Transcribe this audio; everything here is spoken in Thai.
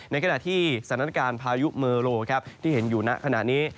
ในขณะที่สถานการณ์พายุเมอร์โลที่เห็นอยู่ณขณะนี้